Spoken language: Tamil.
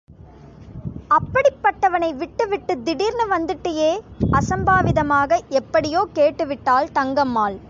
அப்படிப்பட்டவனை விட்டுவிட்டுத் திடீர்னு வந்துட்டயே? அசம்பாவிதமாக எப்படியோ கேட்டுவிட்டாள் தங்கம்மாள்.